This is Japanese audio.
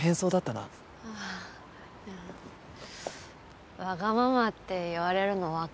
わがままって言われるのわかってるの。